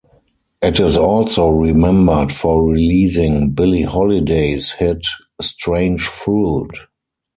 It is also remembered for releasing Billie Holiday's hit "Strange Fruit".